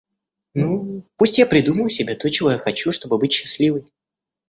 Ну, пусть я придумаю себе то, чего я хочу, чтобы быть счастливой.